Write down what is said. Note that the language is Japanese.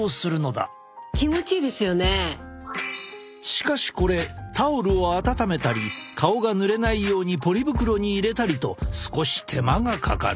しかしこれタオルを温めたり顔がぬれないようにポリ袋に入れたりと少し手間がかかる。